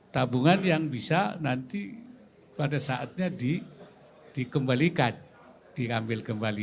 tabungan yang bisa nanti pada saatnya dikembalikan diambil kembali